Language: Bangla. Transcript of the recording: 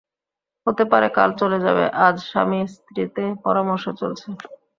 হতে পারে, কাল চলে যাবে, আজ স্বামীস্ত্রীতে পরামর্শ চলছে।